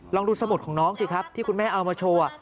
ลองดูสมุดของน้องสิครับที่คุณแม่เอามาโชว์